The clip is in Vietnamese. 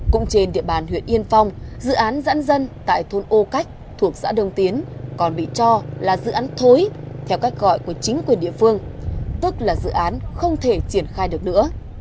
cũng trên địa bàn huyện yên phong dự án giãn dân tại thôn ô cách thuộc xã đông tiến còn bị cho là dự án thối theo cách gọi của chính quyền địa phương tức là dự án không thể triển khai được nữa